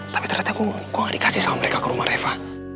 tapi ternyata gue gak dikasih sama mereka ke rumah reva